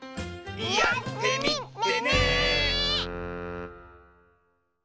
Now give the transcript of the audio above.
やってみてね！